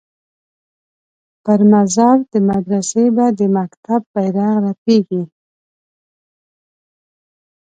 پر مزار د مدرسې به د مکتب بیرغ رپیږي